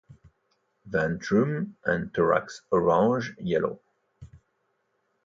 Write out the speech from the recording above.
Ventrum and thorax orange yellow.